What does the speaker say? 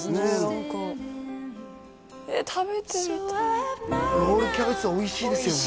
何かえ食べてみたいロールキャベツはおいしいですよね